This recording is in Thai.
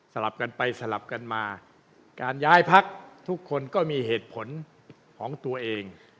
ลับกันไปสลับกันมาการย้ายพักทุกคนก็มีเหตุผลของตัวเอง